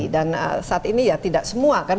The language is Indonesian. dan saat ini ya tidak semua kan